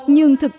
nhưng thực tế